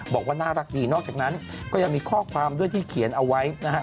บอกว่าน่ารักดีนอกจากนั้นก็ยังมีข้อความด้วยที่เขียนเอาไว้นะฮะ